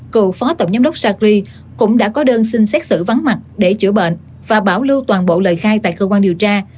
cựu phó tổng giám đốc sacri cũng đã có đơn xin xét xử vắng mặt để chữa bệnh và bảo lưu toàn bộ lời khai tại cơ quan điều tra